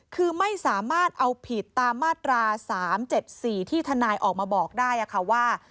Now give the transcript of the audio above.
คือไม่สามารถเอาผิดตามมาตรา๓๗๔ที่ทนายออกมาบอกได้ค่ะว่า